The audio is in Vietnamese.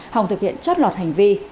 hòng thực hiện trót lọt hành vi